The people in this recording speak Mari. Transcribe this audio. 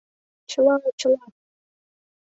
— Чыла, чыла!